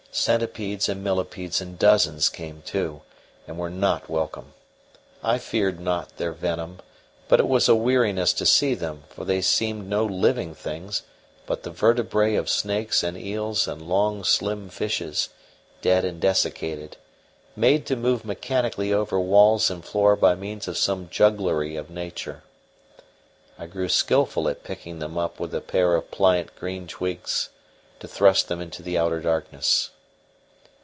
Centipedes and millipedes in dozens came too, and were not welcome. I feared not their venom, but it was a weariness to see them; for they seemed no living things, but the vertebrae of snakes and eels and long slim fishes, dead and desiccated, made to move mechanically over walls and floor by means of some jugglery of nature. I grew skilful at picking them up with a pair of pliant green twigs, to thrust them into the outer darkness.